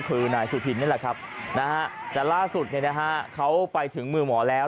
คือนายสุธินนี่แหละครับนะฮะแต่ล่าสุดเขาไปถึงมือหมอแล้ว